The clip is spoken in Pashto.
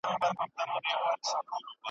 ماشوم د خوب په حال کې خپله کوچنۍ ګوته چټله.